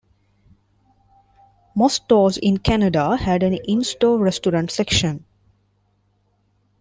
Most stores in Canada had an in-store restaurant section.